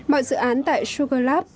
mọi dự án tại sugar lab